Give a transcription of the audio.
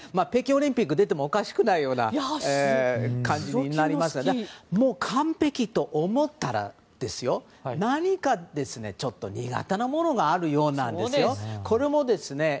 北京オリンピック出てもおかしくないような感じになりましたが完璧と思ったら何かちょっと苦手なものがあるようなんですよ。